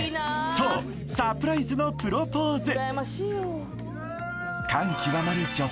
そうサプライズのプロポーズ